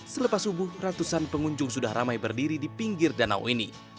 selepas subuh ratusan pengunjung sudah ramai berdiri di pinggir danau ini